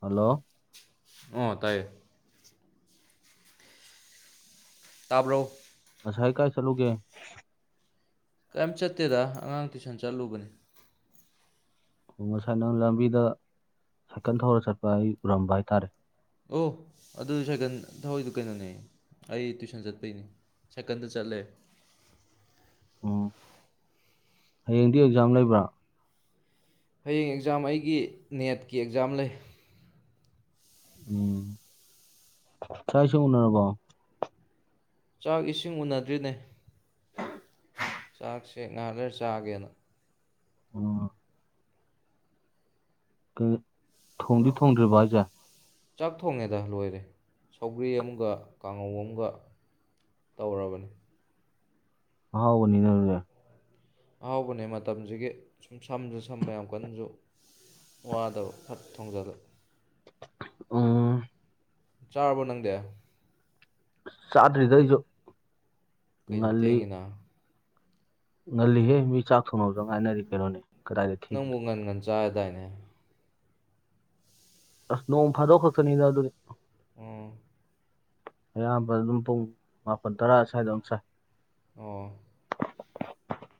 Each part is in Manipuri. ꯍꯜꯂꯣ ꯑꯣ ꯇꯥꯏꯌꯦ ꯇꯥꯕ꯭ꯔꯣ? ꯉꯁꯥꯏ ꯀꯥꯏ ꯆꯠꯂꯨꯒꯦ? ꯀꯩꯝ ꯆꯠꯇꯦꯗ ꯑꯉꯥꯡ ꯇꯨꯏꯁꯟ ꯆꯠꯂꯨꯕꯅꯤ꯫ ꯑꯣ ꯉꯁꯥꯏ ꯅꯪ ꯂꯝꯕꯤꯗ ꯁꯥꯏꯀꯜ ꯊꯧꯔ ꯆꯠꯄ ꯑꯩ ꯎꯔꯝꯕ ꯍꯥꯏꯇꯥꯔꯦ꯫ ꯑꯣ ꯑꯗꯨ ꯁꯥꯏꯀꯟ ꯊꯧꯏꯗꯨ ꯀꯩꯅꯣꯅꯦ꯫ ꯑꯩ ꯇꯨꯏꯁꯟ ꯆꯠꯄꯩꯅꯤ ꯁꯥꯏꯀꯟꯗ ꯆꯠꯂꯦ꯫ ꯎꯝ ꯍꯌꯦꯡꯗꯤ ꯑꯦꯛꯖꯥꯝ ꯂꯩꯕ꯭ꯔꯥ? ꯍꯌꯦꯡ ꯑꯦꯛꯖꯥꯝ ꯑꯩꯒꯤ ꯅꯦꯠꯀꯤ ꯑꯦꯛꯖꯥꯝ ꯂꯩ꯫ ꯎꯝ ꯆꯥꯛ ꯏꯁꯤꯡ ꯎꯅꯔꯔꯕꯣ? ꯆꯥꯛ ꯏꯁꯤꯡ ꯎꯅꯗ꯭ꯔꯤꯅꯦ ꯆꯥꯛꯁꯦ ꯉꯥꯍꯥꯛ ꯂꯩꯔ ꯆꯥꯒꯦꯅ꯫ ꯑꯣ ꯀꯩ ꯊꯣꯡꯗꯤ ꯊꯣꯡꯗ꯭ꯔꯤꯕꯣ ꯍꯥꯏꯁꯦ? ꯆꯥꯛ ꯊꯣꯡꯉꯦꯗ ꯂꯣꯏꯔꯦ ꯁꯧꯒ꯭ꯔꯤ ꯑꯃꯒ ꯀꯥꯡꯉꯧ ꯑꯃꯒ꯫ ꯇꯧꯔꯕꯅꯤ ꯑꯍꯥꯎꯕꯅꯤ ꯅ ꯑꯗꯨꯗꯤ꯫ ꯑꯍꯥꯎꯕꯅꯦ ꯃꯇꯝꯁꯤꯒꯤ ꯁꯨꯝ ꯁꯝꯁꯨ ꯁꯝꯕ ꯌꯥꯝ ꯀꯟꯅꯁꯨ ꯋꯥꯗꯕ ꯐꯠ ꯊꯣꯡꯖꯜꯂꯦ꯫ ꯑꯣ ꯆꯥꯔꯕꯣ ꯅꯪꯗꯤ? ꯆꯗ꯭ꯔꯤꯗ ꯑꯩꯁꯨ꯫ ꯀꯩꯅꯣ ꯉꯜꯂꯤ ꯊꯦꯡꯉꯤꯅ꯫ ꯉꯜꯂꯤꯍꯦ ꯃꯤ ꯆꯥꯛ ꯊꯣꯡꯅꯕꯗ ꯉꯥꯏꯅꯔꯤ ꯀꯩꯅꯣꯅꯦ ꯀꯗꯥꯏꯗ ꯊ‌ꯦꯡꯉꯤꯅꯣ꯫ ꯆꯥꯌꯦꯗꯥꯏꯅꯦ ꯑꯁ ꯅꯣꯡ ꯐꯥꯗꯣꯛ ꯈꯛꯇꯅꯤꯗ ꯑꯗꯨꯗꯤ꯫ ꯑꯣ ꯑꯌꯥꯝꯕ ꯑꯗꯨꯝ ꯄꯨꯡ ꯃꯥꯄꯟ ꯇꯔꯥ ꯁ꯭ꯋꯥꯏꯗ ꯑꯃ ꯆꯥꯏ꯫ ꯑꯣ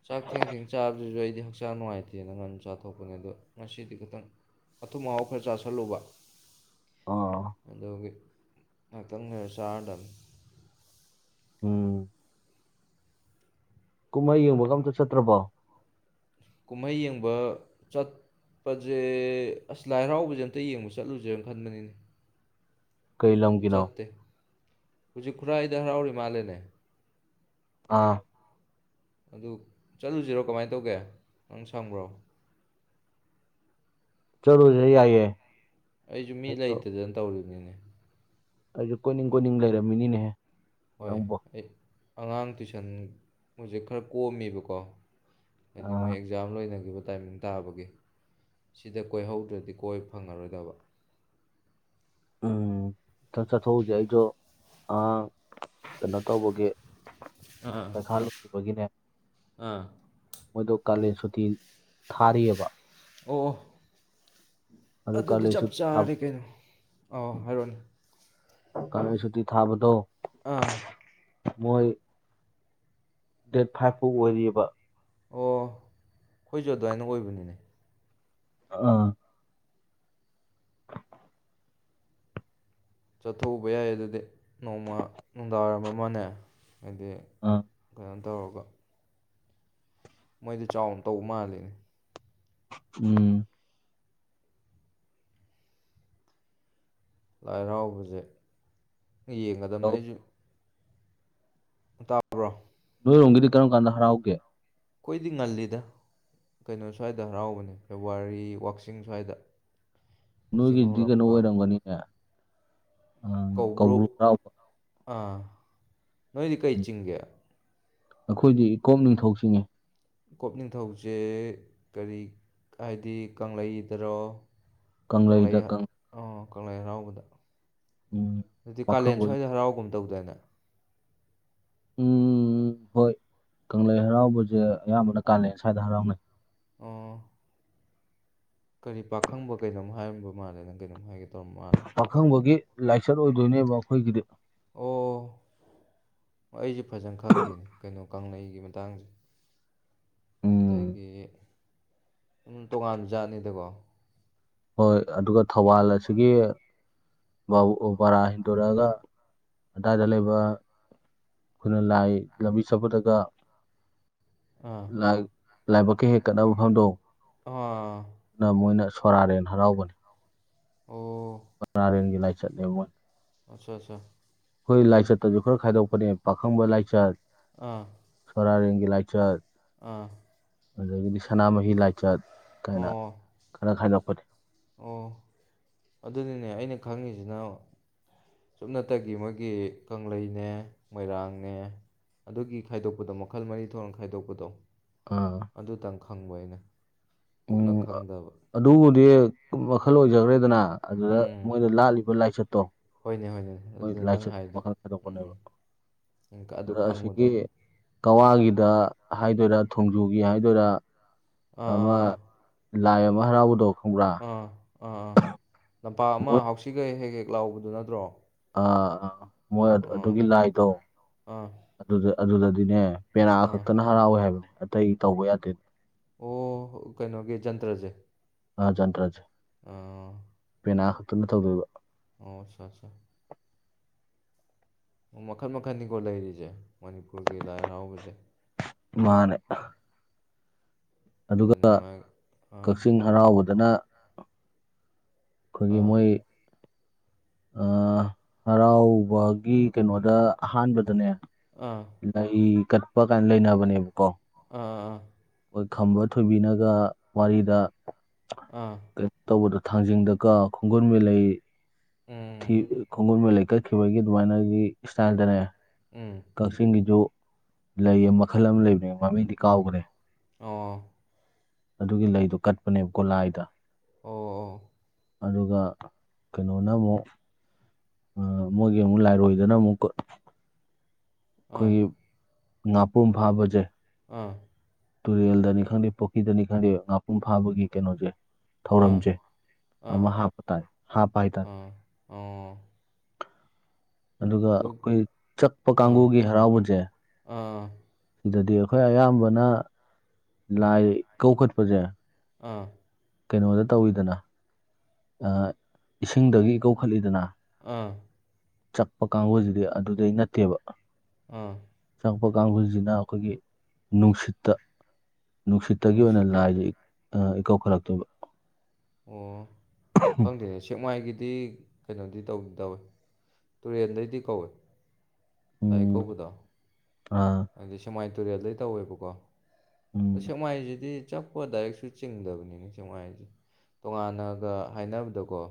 ꯆꯥꯛ ꯊꯦꯡ ꯊꯦꯡ ꯆꯥꯕꯁꯤꯁꯨ ꯑꯩꯗꯤ ꯍꯛꯆꯥꯡ ꯅꯨꯡꯉꯥꯏꯇꯦꯅ ꯉꯟꯅ ꯆꯥꯊꯣꯛꯄꯅꯦ ꯑꯗꯣ ꯉꯁꯤꯗꯤ ꯈꯤꯇꯪ ꯑꯊꯨꯝ ꯃꯍꯥꯎ ꯈꯔ ꯆꯥꯥꯁꯜꯂꯨꯕ ꯑꯣ ꯑꯗꯨꯒꯤ ꯉꯍꯥꯛꯇꯪ ꯂꯩꯔ ꯆꯥꯔꯗꯝꯅꯤ꯫ ꯎꯝ ꯀꯨꯝꯍꯩ ꯌꯦꯡꯕꯒ ꯑꯝꯇ ꯆꯠꯇ꯭ꯔꯕꯣ? ꯀꯨꯝꯍꯩ ꯌꯦꯡꯕ ꯆꯠ ꯄꯠꯖꯦ ꯑꯁ ꯂꯥꯏ ꯍꯔꯥꯎꯕꯁꯦ ꯑꯝꯇ ꯌꯦꯡꯕ ꯆꯠꯂꯨꯁꯦ ꯈꯟꯕꯅꯤꯅꯦ꯫ ꯀꯩ ꯑꯗꯨ ꯂꯝꯒꯤꯅꯣ ꯆꯠꯇꯦ ꯍꯧꯖꯤꯛ ꯈꯨꯔꯥꯏꯗ ꯍꯔꯥꯎꯔꯤ ꯃꯥꯜꯂꯦꯅꯦ ꯑꯥ ꯑꯗꯨ ꯆꯠꯂꯨꯖꯤꯔꯣ ꯀꯃꯥꯏꯟ ꯇꯧꯒꯦ ꯅꯪ ꯁꯪꯕ꯭ꯔꯣ ꯆꯠꯂꯨꯖ‌ꯦ ꯌꯥꯏꯌꯦ ꯑꯩꯖꯨ ꯃꯤ ꯑꯩꯁꯨ ꯂꯩꯇꯗꯅ ꯇꯧꯔꯤꯝꯅꯤꯅꯦ ꯑꯩꯁꯨ ꯀꯣꯏꯅꯤꯡ ꯀꯣꯏꯅꯤꯡ ꯂꯩꯔꯝꯃꯤꯅꯤꯅꯦꯍꯦ ꯍꯣꯏ ꯅꯪꯕꯨ ꯑꯩ ꯑꯉꯥꯡ ꯇꯨꯏꯁꯟ ꯍꯧꯖꯤꯛ ꯈꯔ ꯀꯣꯝꯃꯤꯕꯀꯣ ꯍꯥꯏꯗꯤ ꯃ‌ꯣꯏ ꯑꯥ, ꯑꯦꯛꯖꯥꯝ ꯂꯣꯏꯅꯈꯤꯕ ꯇꯥꯏꯃꯤꯡ ꯇꯥꯕꯒꯤ ꯁꯤꯗ ꯀꯣꯏꯍꯧꯗ꯭ꯔꯗꯤ ꯀꯣꯏꯕ ꯐꯪꯉꯔꯣꯏꯗꯕ ꯎꯝ ꯆꯠ ꯆꯠꯊꯣꯛꯎꯖ‌ꯦ ꯑꯩꯖꯨ ꯑꯥ ꯀꯩꯅꯣ ꯇꯧꯕꯒꯤ ꯑꯥ ꯄꯩꯈꯥ ꯂꯣꯢ ꯕꯒꯤ ꯅꯦ꯫ ꯑꯥ ꯃꯣꯏꯗꯣ ꯀꯥꯂꯦꯟ ꯁꯨꯇꯤ ꯊꯥꯔꯤꯌ‌ꯦꯕ ꯑꯣ ꯑꯗꯨ ꯑꯗꯨꯗꯤ ꯀꯥꯂꯦꯟ ꯆꯞ ꯁꯨꯇꯤ ꯆꯥꯔꯦ ꯊꯥꯕꯗꯣ ꯀꯩꯅꯣ ꯑꯧ ꯍꯥꯏꯔꯣꯅꯦ ꯀꯥꯂꯦꯟ ꯁꯨꯇꯤ ꯊꯥꯕꯗꯣ ꯑꯥ ꯃꯣꯏ ꯗꯦꯠ ꯐꯥꯏꯚ ꯐꯥꯎ ꯑꯣꯏꯔꯤꯕ ꯑꯣ ꯈ‌ꯣꯏꯁꯨ ꯑꯗꯨꯋꯥꯏꯅ ꯑꯣꯏꯕꯅꯤꯅꯦ ꯑꯥ ꯆꯠꯊꯣꯛꯎꯕ ꯌꯥꯏ ꯑꯗꯨꯗꯤ ꯅꯣꯡꯃ ꯅꯨꯡꯗꯥꯡꯋꯥꯏꯔꯝ ꯑꯃꯅꯦ ꯍꯥꯏꯗꯤ ꯑꯥ ꯀꯩꯅꯣꯝ ꯇꯧꯔꯒ ꯃꯣꯏꯗꯤ ꯆꯥꯎꯅ ꯇꯧꯕ ꯃꯥꯜꯂ‌ꯦ ꯎꯝ ꯂꯥꯏ ꯍꯔꯥꯎꯕꯖ‌ꯦ ꯌꯦꯡꯒꯗꯝꯕꯅꯦ ꯇꯧ- ꯑꯩꯖꯨ ꯇꯥꯕ꯭ꯔꯣ ꯅꯣꯏꯔꯣꯝꯒꯤꯗꯤ ꯀꯔꯝ ꯀꯥꯟꯗ ꯍꯔꯥꯎꯒꯦ ꯑꯩꯈꯣꯏꯗꯤ ꯉꯜꯂꯤꯗ ꯀꯩꯅꯣ ꯁ꯭ꯋꯥꯏꯗ ꯍꯔꯥꯎꯕꯅꯦ ꯐꯦꯕꯋꯥꯔꯤ ꯋꯥꯛꯆꯤꯡ ꯁ꯭ꯋꯥꯏꯗ ꯋꯥꯛꯆꯤꯡ ꯅꯣꯏꯒꯤꯗꯤ ꯀꯩꯅꯣ ꯍꯧꯔꯛꯄ ꯑꯣꯏꯔꯝꯒꯅꯤꯅꯦ ꯀꯧꯕ꯭ꯔꯨ ꯑꯥ ꯅꯣꯏꯗꯤ ꯀꯩ ꯆꯤꯡꯒꯦ ꯑꯈꯣꯏꯗꯤ ꯏꯀꯣꯛ ꯅꯤꯡꯊꯧ ꯆꯤꯡꯉ‌ꯦ ꯏꯀꯣꯛ ꯅꯤꯡꯊꯧꯁꯦ ꯀꯔꯤ ꯍꯥꯏꯗꯤ ꯀꯪꯂꯩꯗꯔꯣ ꯀꯪꯂꯩꯗ ꯀꯪꯂꯩ ꯀꯪ ꯑꯣ ꯀꯪꯂꯩ ꯍꯔꯥꯎꯕꯗ ꯎꯝ ꯑꯗꯨꯗꯤ ꯀꯥꯂꯦꯟ ꯄꯥꯈꯪꯕꯒꯤ ꯁ꯭ꯋꯥꯏꯗ ꯍꯔꯥꯎꯒꯨꯝ ꯇꯧꯗꯥꯏꯅꯦ ꯎꯝ ꯍꯣꯏ ꯀꯪꯂꯩ ꯍꯔꯥꯎꯕꯁꯦ ꯑꯌꯥꯝꯕꯅ ꯀꯥꯂꯦꯟ ꯁ꯭ꯋꯥꯏꯗ ꯍꯔꯥꯎꯅꯩ ꯑꯣ ꯀꯔꯤ ꯄꯥꯈꯪꯕ ꯀꯩꯅꯣꯝ ꯍꯥꯏꯔꯝꯕ ꯃꯥꯜꯂꯦ ꯅꯪ ꯀꯩꯅꯣꯝ ꯍꯥꯏꯒꯦ ꯇꯧꯔꯝ ꯃꯥꯜꯂꯦ ꯄꯥꯈꯪꯕꯒꯤ ꯂꯥꯏꯆꯠ ꯑꯣꯏꯗꯣꯏꯅꯦꯕ ꯑꯩꯈꯣꯏꯒꯤꯗꯤ ꯑꯣ ꯑꯩꯁꯦ ꯐꯖꯟ ꯈꯪꯗꯦꯅꯦ ꯀꯩꯅꯣ ꯀꯪꯂꯩꯒꯤ ꯃꯇꯥꯡꯖ‌ꯦ ꯎꯝ ꯑꯗꯒꯤ ꯎꯝ ꯇꯣꯉꯥꯟꯕ ꯖꯥꯠꯅꯤꯗꯀꯣ ꯍꯣꯏ ꯑꯗꯨꯒ ꯊꯧꯋꯥꯜ ꯑꯁꯤꯒꯤ ꯕꯥꯕꯨꯄꯔꯥ ꯍꯦꯟꯗꯣꯔꯛꯑꯒ ꯑꯗꯥꯏꯗ ꯂꯩꯕ ꯈꯨꯟꯅ ꯂꯥꯏ ꯂꯝꯕꯤ ꯆꯠꯄꯠꯗꯒ ꯑꯥ ꯂꯥꯏ ꯂꯥꯏꯕꯛꯀ ꯍꯦꯛ ꯀꯠꯅꯕ ꯃꯐꯝꯗꯣ ꯑꯣ ꯁꯣꯔꯥꯔ‌ꯦꯟ ꯍꯔꯥꯎꯕꯅꯤ ꯑꯣ [unintelligible] ꯂꯥꯏꯆꯠꯅꯦ ꯃꯣꯏ ꯑꯆꯥ ꯑꯆꯥ ꯈꯣꯏ ꯂꯥꯏꯆꯠꯇꯁꯨ ꯈꯔ ꯈꯥꯏꯗꯣꯛꯄꯅꯦ ꯄꯥꯈꯪꯕ ꯂꯥꯏꯆꯠ ꯑꯥ ꯁꯣꯔꯥꯔꯦꯟꯒꯤ ꯂꯥꯏꯆꯠ ꯑꯥ ꯑꯗꯒꯤꯗꯤ ꯁꯅꯥꯃꯍꯤ ꯂꯥꯏꯆꯠ ꯀꯥꯏꯅ ꯑꯣ ꯈꯔ ꯈꯥꯏꯗꯣꯛꯄꯅꯦ ꯑꯣ ꯑꯗꯨꯅꯤꯅꯦ ꯑꯩꯅ ꯈꯪꯉꯤꯁꯤꯅ ꯁꯨꯞꯅꯇꯒꯤ ꯃꯣꯏꯒꯤ ꯀꯪꯂꯩꯅꯦ ꯃꯣꯏꯔꯥꯡꯅꯦ ꯑꯗꯨꯒꯤ ꯈꯥꯏꯗꯣꯛꯄꯗꯣ ꯃꯈꯜ ꯃꯔꯤ ꯊꯣꯛꯅ ꯈꯥꯏꯗꯣꯛꯄꯗꯣ ꯑ ꯑꯗꯨꯇꯪ ꯈꯪꯕ ꯑꯩꯅ ꯀꯨꯞꯅ ꯎꯝ ꯈꯪꯗꯕ ꯑꯗꯨꯕꯨꯗꯤ ꯃꯈꯜ ꯑꯣꯏꯖꯈ꯭ꯔꯦꯗꯅ ꯑꯗꯨꯗ ꯎꯝ ꯃꯣꯏꯗ ꯂꯥꯠꯂꯤꯕ ꯂꯥꯏꯆꯠꯇꯣ ꯍꯣꯏꯅꯦ ꯍꯣꯏꯅꯦ ꯃꯣꯏ ꯑꯗꯨꯅꯦ ꯅꯪ ꯂꯥꯏꯆꯠ ꯍꯥꯏꯗꯣ ꯃꯈꯜ ꯈꯥꯏꯗꯣꯛꯄꯅꯦꯕ ꯎꯝ ꯑꯗꯨ ꯑꯗ ꯑꯁꯤꯒꯤ ꯈꯪꯉꯨꯗꯕ ꯀꯋꯥꯒꯤꯗ ꯍꯥꯏꯗꯣꯏꯔꯥ ꯊꯣꯡꯖꯨꯒꯤ ꯍꯥꯏꯗꯣꯏꯔꯥ ꯑꯃ ꯑꯥ ꯂꯥꯏ ꯑꯃ ꯍꯔꯥꯎꯕꯗꯣ ꯈꯪꯕ꯭ꯔꯥ ꯑꯥ ꯑꯥ ꯑꯥ ꯑꯥ ꯂꯝꯄꯥꯛ ꯑꯃ ꯃꯣꯏ ꯍꯥꯎꯁꯤꯒ ꯍꯦꯛ ꯍꯦꯛ ꯂꯥꯎꯕꯗꯨ ꯅꯠꯇ꯭ꯔꯣ ꯑꯥ ꯑꯥ ꯃꯣꯏ ꯑꯥ ꯑꯗꯨꯒꯤ ꯂꯥꯏꯗꯣ ꯑꯥ ꯑꯗꯨꯗ ꯑꯗꯨꯗꯗꯤꯅꯦ ꯄꯦꯅꯥ ꯑꯥ ꯈꯛꯇꯅ ꯍꯔꯥꯎꯋꯦ ꯍꯥꯏꯕꯅꯦ ꯑꯇꯩ ꯇꯧꯕ ꯌꯥꯗꯦ ꯑꯣ ꯀꯩꯅꯣꯒꯤ ꯖꯟꯇ꯭ꯔꯁꯦ ꯑ ꯖꯟꯇ꯭ꯔꯖꯦ ꯑ ꯄꯦꯅꯥ ꯈꯛꯇꯨꯅ ꯇꯧꯗꯣꯏꯕ ꯑꯣ ꯑꯆꯥ ꯑꯆꯥ ꯃꯈꯜ ꯃꯈꯟꯅꯤꯀꯣ ꯂꯩꯔꯤꯁꯦ ꯃꯅꯤꯄꯨꯔꯒꯤ ꯂꯥꯏ ꯍꯔꯥꯎꯕꯁꯦ ꯃꯥꯅꯦ ꯑꯗꯨꯅꯤ ꯑꯗꯨꯒ ꯃꯥ ꯑꯥ ꯀꯛꯆꯤꯡ ꯍꯔꯥꯎꯕꯗꯅ ꯑꯩꯈꯣꯏꯒꯤ ꯑꯥ ꯃꯣꯏ ꯍꯔꯥꯎꯕꯒꯤ ꯀꯩꯅꯣꯗ ꯑꯍꯥꯟꯕꯗꯅꯦ ꯑꯥ ꯂꯩ ꯀꯠꯄ ꯀꯥꯏ ꯂꯩꯅꯕꯅꯦꯕꯀꯣ ꯑ ꯑ ꯑꯩꯈꯣꯏ ꯈꯝꯕ ꯊꯣꯏꯕꯤꯅꯒ ꯋꯥꯔꯤꯗ ꯑꯥ ꯇꯧꯕꯗꯣ ꯊꯥꯡꯖꯤꯡꯗꯒ ꯈꯣꯡꯒꯨꯜ ꯃꯦꯂꯩ ꯎꯝ ꯊꯤ ꯈꯣꯡꯒꯨꯜ ꯃꯦꯂꯩ ꯀꯠꯈꯤꯕꯒꯤ ꯑꯗꯨꯃꯥꯏꯅꯒꯤ ꯏꯁꯇꯥꯏꯜꯗꯅꯦ ꯎꯝ ꯀꯛꯆꯤꯡꯒꯤꯁꯨ ꯂꯩ ꯃꯈꯜ ꯑꯃ ꯂꯩꯕꯅꯦ ꯃꯃꯤꯡꯗꯤ ꯀꯥꯎꯒ꯭ꯔꯦ ꯑꯣ ꯑꯗꯨꯒꯤ ꯂꯩꯗꯨ ꯀꯠꯄꯅꯦꯕꯀꯣ ꯂꯥꯏꯗ ꯑꯣ ꯑꯗꯨꯒ ꯀꯩꯅꯣꯅ ꯑꯃꯨꯛ ꯑ ꯃꯣꯏꯒꯤ ꯑꯃꯨꯛ ꯂꯥꯏꯔꯣꯏꯗꯅ ꯑꯃꯨꯛꯀ ꯑꯣ ꯑꯩꯈꯣꯏꯒꯤ ꯉꯥꯄꯨꯝ ꯐꯥꯕꯁꯦ ꯑꯥ ꯇꯨꯔꯦꯜꯗꯅꯤ ꯈꯪꯗꯦ ꯄꯨꯈ꯭ꯔꯤꯗꯅꯤ ꯈꯪꯗꯦ ꯉꯥꯄꯨꯝ ꯐꯥꯕꯒꯤ ꯀꯩꯅꯣꯁꯦ ꯑꯥ ꯊꯧꯔꯝꯁꯦ ꯑꯥ ꯑꯥ ꯑꯃ ꯍꯥꯞꯄ ꯇꯥꯏ ꯍꯥꯞꯄ ꯍꯥꯏ ꯇꯥ ꯑꯥ ꯑꯣ ꯑꯗꯨꯒ ꯑꯗꯨ ꯑꯩꯈꯣꯏ ꯆꯛꯄ ꯑꯥ ꯀꯥꯡꯒꯨꯒꯤ ꯍꯔꯥꯎꯕꯖꯦ ꯑꯥ ꯁꯤꯗꯗꯤ ꯑꯩꯈꯣꯏ ꯑꯌꯥꯝꯕꯅ ꯂꯥꯏ ꯏꯀꯧꯈꯠꯄꯁꯦ ꯑꯥ ꯀꯩꯅꯣꯗ ꯇꯧꯋꯤꯗꯅ ꯑ ꯏꯁꯤꯡꯗꯒꯤ ꯏꯀꯧꯈꯠꯂꯤꯗꯅ ꯑꯥ ꯆꯛꯄ ꯀꯥꯡꯕꯨꯁꯤꯗꯤ ꯑꯗꯨꯗꯩ ꯅꯠꯇꯦꯕ ꯑꯥ ꯆꯛꯄ ꯀꯥꯡꯕꯨꯁꯤꯅ ꯑꯩꯈꯣꯏꯒꯤ ꯅꯨꯡꯁꯤꯠꯇ ꯅꯨꯡꯁꯤꯠꯇꯒꯤ ꯑꯣꯏꯅ ꯅꯨꯡꯁꯤꯠꯇ ꯂꯥꯏꯖꯦ ꯏ ꯑ ꯏꯀꯧꯈꯠꯂꯛꯇꯣꯏꯕ ꯑꯣ ꯈꯪꯗꯦꯅꯦ ꯁꯤ ꯁꯦꯛꯃꯥꯏꯒꯤꯗꯤ ꯀꯩꯅꯣꯗꯤ ꯇꯧ ꯇꯧꯋꯦ ꯇꯨꯔꯦꯟꯗꯩꯗꯤ ꯀꯧꯋꯦ ꯂꯥꯏ ꯎꯝ ꯏꯀꯧꯕꯗꯣ ꯑꯥ ꯍꯥꯏꯗꯤ ꯁꯦꯛꯃꯥꯏ ꯇꯨꯔꯦꯜꯗꯩ ꯇꯧꯋꯦꯕꯀꯣ ꯎꯝ ꯁꯦꯛꯃꯥꯏꯁꯤꯗꯤ ꯆꯛꯄ ꯗꯥꯏꯔꯦꯛꯁꯨ ꯆꯤꯡꯗꯕꯅꯤꯅꯦ ꯁꯦꯛꯃꯥꯏꯁꯦ ꯇꯣꯉꯥꯟꯅꯒ ꯍꯥꯏꯅꯕꯗꯀꯣ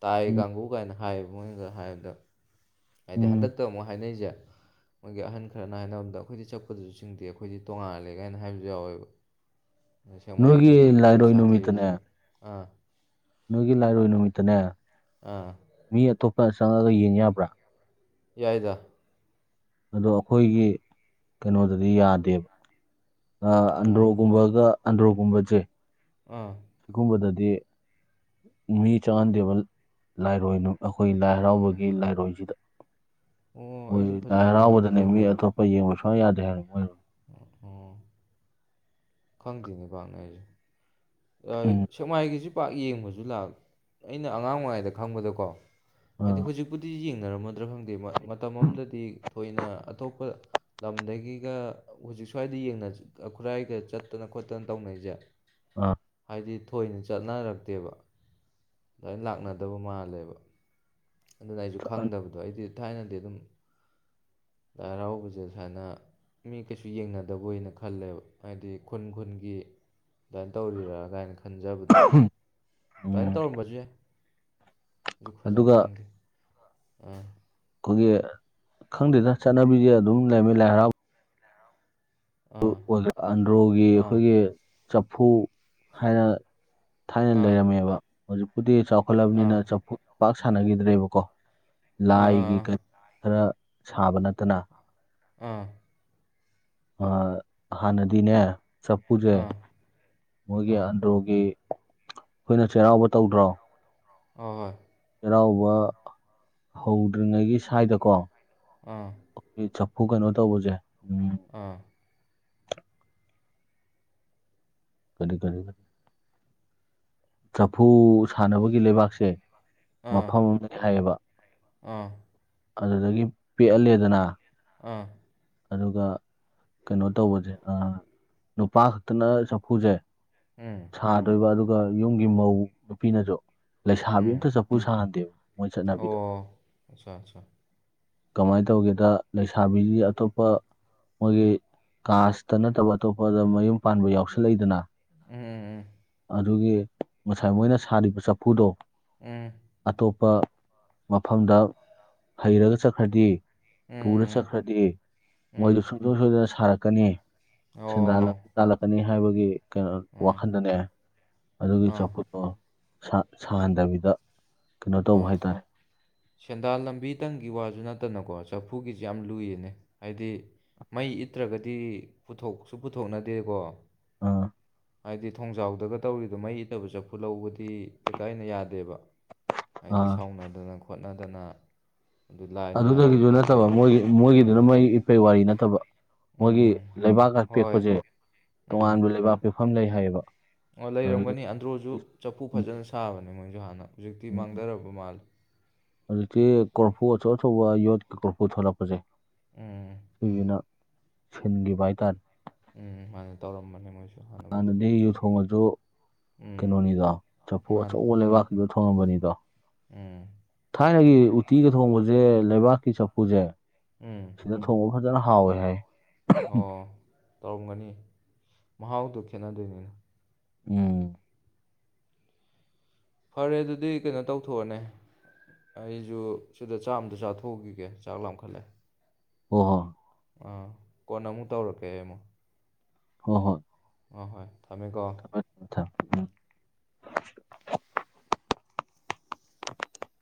ꯇꯥꯏ ꯎꯝ ꯀꯥꯡꯒꯨ ꯀꯥꯏꯅ ꯍꯥꯏꯌꯦꯕ ꯃꯣꯏ ꯉꯁꯥꯏ ꯍꯥꯏꯕꯗ ꯍꯥꯏꯗꯤ ꯎꯝ ꯍꯟꯗꯛꯇ ꯑꯃꯨꯛ ꯍꯥꯏꯅꯔꯤꯁꯦ ꯃꯣꯏꯒꯤ ꯑꯍꯟ ꯈꯔꯅ ꯍꯥꯏꯅꯕ ꯗ ꯑꯩꯈꯣꯏꯗꯤ ꯆꯛꯄꯗꯁꯨ ꯆꯤꯡꯗꯦ ꯑꯩꯈꯣꯏꯗꯤ ꯇꯣꯡꯉꯥꯜꯂꯦ ꯀꯥꯏꯅ ꯍꯥꯏꯕꯁꯨ ꯌꯥꯎꯋꯦꯕ ꯅꯣꯏꯒꯤ ꯁꯦꯛꯃꯥꯥꯏꯒꯤ ꯂꯥꯏꯔꯣꯏ ꯅꯨꯃꯤꯠꯇꯅꯦ ꯁꯥꯊꯤꯔꯤꯁꯤꯅ ꯑꯥ ꯅꯣꯏꯒꯤ ꯂꯥꯏꯔꯣꯏ ꯅꯨꯃꯤꯠꯇꯅꯦ ꯑꯥ ꯃꯤ ꯑꯇꯣꯞꯄ ꯆꯪꯉꯒ ꯌꯦꯡ ꯌꯥꯕ꯭ꯔꯥ ꯌꯥꯏꯗ ꯑꯗꯣ ꯑꯩꯈꯣꯏꯒꯤ ꯀꯩꯅꯣꯗꯗꯤ ꯌꯥꯗꯦꯕ ꯑ ꯑꯟꯗ꯭ꯔꯣ ꯑꯣ ꯀꯨꯝꯕꯒ ꯑꯟꯗ꯭ꯔꯣꯒꯨꯝꯕꯁꯦ ꯑꯥ ꯁꯤꯒꯨꯝꯕꯗꯗꯤ ꯃꯤ ꯆꯪꯍꯟꯗꯦꯕ ꯂꯥꯏꯔꯣꯏ ꯑꯩꯈꯣꯏ ꯂꯥꯏ ꯍꯔꯥꯎꯕꯒꯤ ꯂꯥꯏꯔꯣꯏꯁꯤꯗ ꯑꯣ ꯃꯣꯏ ꯑꯩꯁꯨ ꯂꯥꯏ ꯐꯖꯅꯗꯤ ꯈꯪꯗꯦꯅꯦ ꯍꯔꯥꯎꯕꯗꯅꯦ ꯃꯤ ꯑꯇꯣꯞꯄ ꯌꯦꯡꯕ ꯁꯨꯡꯌꯥ ꯌꯥꯗꯦ ꯍꯥꯏꯕꯅꯦ ꯃꯣꯏ ꯑꯣ ꯑꯣ ꯈꯪꯗꯦꯅꯦ ꯄꯥꯛꯅ ꯑꯩꯁꯦ ꯑ ꯎꯝ ꯁꯦꯛꯃꯥꯏꯒꯤꯁꯤ ꯄꯥꯛ ꯌꯦꯡꯕꯁꯨ ꯂꯥꯛ ꯑꯩꯅ ꯑꯉꯥꯡ ꯑꯣꯏꯔꯤꯉꯩꯗ ꯈꯪꯕꯗꯀꯣ ꯍꯥꯏꯗꯤ ꯑꯥ ꯍꯧꯖꯤꯛꯄꯨꯗꯤ ꯌꯦꯡꯅꯔꯝꯃꯗ꯭ꯔꯥ ꯈꯪꯗꯦ ꯃ ꯃꯇꯝ ꯑꯃꯗꯗꯤ ꯊꯣꯏꯅ ꯑꯇꯣꯞꯄ ꯂꯝꯗꯒꯤꯒ ꯍꯧꯖꯤꯛ ꯁ꯭ꯋꯥꯏꯗ ꯌꯦꯡꯅ ꯈꯨꯔꯥꯏꯒ ꯆꯠꯇꯅ ꯈꯣꯠꯇꯅ ꯇꯧꯅꯩꯖꯦ ꯑ ꯍꯥꯏꯗꯤ ꯊꯣꯏꯅ ꯆꯠꯅꯔꯛꯇꯦꯕ ꯑꯗꯨꯃꯥꯏ ꯂꯥꯛꯅꯗꯕ ꯃꯥꯜꯂꯦꯕ ꯑꯗꯨꯅ ꯑꯩꯁꯨ ꯑꯟ- ꯈꯪꯗꯕꯗꯣ ꯑꯩꯗꯤ ꯊꯥꯏꯅꯗꯤ ꯑꯗꯨꯝ ꯂꯥꯏ ꯍꯔꯥꯎꯕꯁꯦ ꯁꯨꯃꯥꯏꯅ ꯃꯤ ꯀꯩꯁꯨ ꯌꯦꯡꯅꯗꯕꯣꯏꯅ ꯈꯜꯂꯦꯕ ꯍꯥꯏꯗꯤ ꯈꯨꯟ ꯈꯨꯟꯒꯤ ꯑꯗꯨꯃꯥꯏꯅ ꯇꯧꯔꯤꯔ ꯑꯗꯨꯥꯏꯅ ꯈꯟꯖꯕꯗꯣ ꯑꯗꯨꯃꯥꯏꯅ ꯎꯝ ꯇꯧꯔꯝꯕꯁꯨ ꯌꯥꯏ ꯑꯩꯖꯨ ꯐꯖꯅ ꯑꯗꯨꯒ ꯈꯪꯗꯦ ꯑ ꯈꯣꯏꯒꯤ ꯈꯪꯗꯦꯗ ꯆꯠꯅꯕꯤꯁꯦ ꯑꯗꯨꯝ ꯂꯩꯔꯃꯤ ꯂꯥꯏ ꯍꯔꯥꯎ ꯑꯥ [unintelligible] ꯑꯟꯗ꯭ꯔꯣꯒꯤ ꯑꯥ ꯑꯩꯈꯣꯏꯒꯤ ꯆꯐꯨ ꯍꯥꯏꯅ ꯊꯥꯏꯅ ꯑꯥ ꯂꯩꯔꯝꯃꯦꯕ ꯍꯧꯖꯤꯛꯄꯨꯗꯤ ꯆꯥꯎꯈꯠꯂꯕꯅꯤꯅ ꯑꯥ ꯆꯥꯐꯨ ꯄꯥꯛ ꯁꯥꯟꯅꯈꯤꯗ꯭ꯔꯦꯕꯀꯣ ꯑꯥ ꯑꯥ ꯂꯥꯏꯒꯤ ꯑꯥ ꯀ ꯈꯔ ꯁꯥꯕ ꯅꯠꯇꯅ ꯑꯥ ꯑ ꯍꯥꯟꯅꯗꯤꯅꯦ ꯅꯥꯐꯨꯁꯦ ꯑꯥ ꯃꯣꯏꯒꯤ ꯑꯥ ꯑꯟꯗ꯭ꯔꯣꯒꯤ ꯑꯩꯈꯣꯏꯅ ꯆꯩꯔꯥꯎꯕ ꯇꯧꯗ꯭ꯔꯣ ꯍ ꯍꯣꯏ ꯆꯩꯔꯥꯎꯕ ꯍꯧꯗ꯭ꯔꯤꯉꯩꯒꯤ ꯁ꯭ꯋꯥꯏꯗꯀꯣ ꯑꯥ ꯆꯐꯨ ꯀꯩꯅꯣ ꯇꯧꯕꯁꯦ ꯑꯥ ꯀꯔꯤ ꯀꯔꯤ ꯆꯐꯨ ꯁꯥꯟꯅꯕꯒꯤ ꯂꯩꯕꯥꯛꯁꯦ ꯑꯥ ꯃꯐꯝ ꯑꯃꯅꯤ ꯍꯥꯏꯌꯦꯕ ꯑꯥ ꯑꯗꯨꯗꯒꯤ ꯄꯦꯛꯍꯜꯂꯦꯗꯅ ꯑꯥ ꯑꯗꯨꯒ ꯀꯩꯅꯣ ꯇꯧꯕꯁꯦ ꯅꯨꯄꯥ ꯈꯛꯇꯅ ꯆꯐꯨꯁꯦ ꯎꯝ ꯊꯗꯣꯏꯕ ꯑꯗꯨꯒ ꯌꯨꯝꯒꯤ ꯃꯧ ꯅꯨꯄꯤꯅꯁꯨ ꯂꯩꯁꯥꯕꯤ ꯎꯝ ꯑꯝꯇ ꯆꯐꯨ ꯁꯥꯥꯟꯍꯟꯗꯦꯕ ꯃꯣꯏ ꯑꯣ ꯆꯠꯅꯕꯤꯗ ꯑꯠꯆꯥ ꯑꯠꯆꯥ ꯀꯃꯥꯏꯅ ꯇꯧꯒꯦꯗ ꯂꯩꯁꯥꯕꯤꯁꯤ ꯑꯇꯣꯞꯄ ꯃꯣꯏꯒꯤ ꯀꯥꯁꯇ ꯅꯠꯇꯕꯤꯗ ꯑꯇꯣꯞꯄꯗ ꯃꯌꯨꯝ ꯄꯥꯟꯕ ꯌꯥꯎꯁꯜꯂꯛꯏꯗꯅ ꯎꯝ ꯑꯗꯨꯒꯤ ꯉꯁꯥꯏ ꯃꯣꯏꯅ ꯁꯥꯔꯤꯕ ꯆꯐꯨꯗꯣ ꯎꯝ ꯑꯇꯣꯞꯄ ꯃꯐꯝꯗ ꯍꯩꯔꯒ ꯆꯠꯈ꯭ꯔꯗꯤ ꯄꯨꯔ ꯎꯝ ꯎꯝ ꯆꯠ ꯈ꯭ꯔꯗꯤ ꯎꯝ ꯃꯣꯏꯗꯨ ꯁꯨꯡꯁꯣꯏ ꯁꯣꯏꯗꯅ ꯁꯥꯔꯛꯀꯅꯤ ꯁꯦꯟꯗꯥ ꯑꯣ ꯂꯝꯕꯤ ꯇꯥꯜꯂꯛꯀꯅꯤ ꯍꯥꯏꯕꯒꯤ ꯀꯩꯅꯣ ꯎꯝ ꯋꯥꯈꯟꯗꯅꯦ ꯑꯗꯨꯒꯤ ꯑꯥ ꯆꯐꯨꯠꯇꯣ ꯁꯍꯟ ꯁꯍꯟꯗꯕꯤꯗ ꯑꯣ ꯁꯦꯟꯗꯥꯟ ꯂꯝꯕꯤꯇꯪꯒꯤ ꯋꯥꯁꯨ ꯅꯠꯇꯅꯀꯣ ꯆꯐꯨꯒꯤꯁ ꯌꯥꯝ ꯂꯨꯏꯌꯦꯅꯦ ꯍꯥꯏꯗꯤ ꯃꯩ ꯏꯠꯇ꯭ꯔꯒꯗꯤ ꯄꯨꯊꯣꯛꯁꯨ ꯄꯨꯊꯣꯛꯅꯗꯦꯀꯣ ꯑꯥ ꯍꯥꯏꯗꯤ ꯊꯣꯡꯖꯥꯎꯗꯒ ꯇꯧꯔꯤꯗꯣ ꯃꯩ ꯏꯇꯕ ꯆꯐꯨ ꯂꯧꯕꯗꯤ ꯂꯩꯀꯥꯏꯅ ꯌꯥꯗꯦꯕ ꯍꯥꯏꯗꯤ ꯑꯥ ꯁꯥꯎꯅꯗꯅ ꯈꯣꯠꯅꯗꯅ ꯑꯗꯨ ꯂꯥꯏꯅ ꯌꯥꯗꯦ ꯑꯗꯨꯗꯒꯤꯁꯨ ꯅꯠꯇꯕ ꯈꯣꯠꯇꯦꯅ ꯃꯣꯏ ꯃꯣꯏꯒꯤ ꯃꯣꯏꯒꯤꯗꯨꯅ ꯎꯝ ꯃꯣꯏ ꯏꯄꯩ ꯋꯥꯔꯤ ꯅꯠꯇꯕ ꯃꯣꯏꯒꯤ ꯎꯝ ꯂꯩꯕꯥꯛ ꯑ ꯍꯣꯏ ꯄꯦꯛꯄꯁꯦ ꯎꯝ ꯇꯣꯉꯥꯟꯕ ꯂꯩꯕꯥꯛ ꯄꯦꯛꯐꯝ ꯂꯩ ꯍꯥꯏꯌꯦꯕ ꯑꯣ ꯑꯗꯨ ꯂꯩꯔꯝꯒꯅꯤ ꯑꯟꯗ꯭ꯔꯣꯁꯨ ꯆꯐꯨ ꯐꯖꯅ ꯁꯥꯕꯅꯦ ꯃꯣꯏꯁꯨ ꯍꯥꯟꯅ ꯍꯧꯖꯤꯛꯇꯤ ꯃꯥꯡꯗꯔꯕ ꯃꯥꯜꯂꯦ ꯍꯧꯖꯤꯛꯇꯤ ꯀꯣꯔꯐꯨ ꯑꯆꯧ ꯑꯆꯧꯕ ꯌꯣꯠꯀꯤ ꯀꯣꯔꯐꯨ ꯊꯣꯛꯂꯛꯄꯁꯦ ꯎꯝ ꯁꯤꯁꯤꯅ ꯁꯤꯟꯈꯤꯕ ꯍꯥꯏꯇꯥꯔꯦ ꯎꯝ ꯃꯥꯅꯦ ꯇꯧꯔꯝꯕꯅꯦ ꯃꯣꯏꯁꯨ ꯍꯥꯟꯅꯕꯨꯗꯤ ꯍꯥꯟꯅꯗꯤ ꯌꯨ ꯊꯣꯡꯉꯁꯨ ꯎꯝ ꯀꯩꯅꯣꯅꯤꯗꯣ ꯆꯐꯨ ꯃꯥꯅꯤ ꯑꯆꯧꯕ ꯂꯩꯕꯥꯛ ꯑꯗꯨꯗ ꯊꯣꯡꯉꯝꯕꯅꯤꯗꯣ ꯎꯝ ꯊꯥꯏꯅꯒꯤ ꯎꯇꯤꯒ ꯊꯣꯡꯕꯁꯦ ꯂꯩꯕꯥꯛꯀꯤ ꯆꯐꯨꯁꯦ ꯎꯝ ꯁꯤꯗ ꯊꯣꯡꯕ ꯐꯖꯅ ꯍꯥꯎꯋꯦ ꯍꯥꯏ ꯑꯣ ꯇꯧꯔꯝꯒꯅꯤ ꯃꯍꯥꯎꯗꯨ ꯈꯦꯠꯅꯗꯣꯏꯅꯤꯅ ꯎꯝ ꯐꯔꯦ ꯑꯗꯨꯗꯤ ꯀꯩꯅꯣ ꯇꯧꯊꯣꯛꯑꯣꯅꯦ ꯑꯩꯖꯨ ꯁꯤꯗ ꯆꯥꯛ ꯑꯝꯇ ꯆꯥꯊꯣꯛꯎꯒꯤꯒꯦ ꯆꯥꯛ ꯂꯥꯝꯈꯠꯂꯦ ꯍꯍꯣ ꯑꯥ ꯀꯣꯟꯅ ꯑꯃꯨꯛ ꯇꯧꯔꯛꯀꯦ ꯑꯩꯃꯨꯛ ꯍꯣ ꯍꯣꯏ ꯍꯣ ꯍꯣꯏ ꯊꯝꯃꯦꯀꯣ [unintelligible] [inaudible]